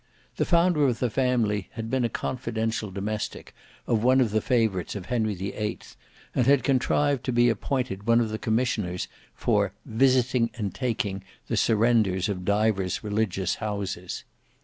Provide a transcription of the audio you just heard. The founder of the family had been a confidential domestic of one of the favourites of Henry the Eighth, and had contrived to be appointed one of the commissioners for "visiting and taking the surrenders of divers religious houses."